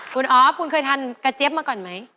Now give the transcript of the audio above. คุณออฟคุณเคยทานกระเจี๊ยบมาก่อนไหม